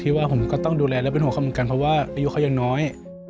ว่าผมก็ต้องดูแลและเป็นห่วงเขาเหมือนกันเพราะว่าอายุเขายังน้อย